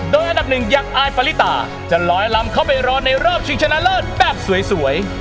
โดยอันดับ๑ยักอาจฟันลิตาจะรอยลำเข้าไปรอในรอบชิงชะนาเลิศแบบสวย